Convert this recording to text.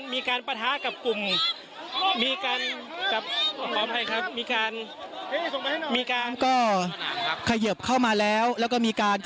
มีการปะท้ากับกลุ่ม